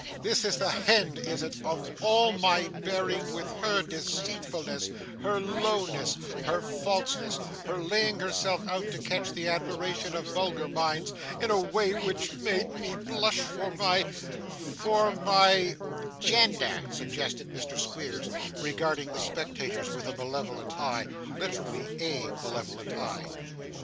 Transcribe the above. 'This is the hend, is it, of all my bearing with her deceitfulness, her lowness, her falseness, her laying herself out to catch the admiration of vulgar minds, in a way which made me blush for my for my ' 'Gender,' suggested Mr. Squeers, regarding the spectators with a malevolent eye literally A malevolent eye.